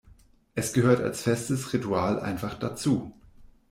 Es gehört als festes Ritual einfach dazu.